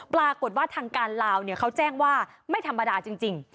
ปรากฏว่าทางการลาวเขาแจ้งว่าไม่ธรรมดาจริง